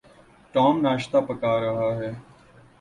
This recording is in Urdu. ٹام ناشتہ پکھا رہا ہے۔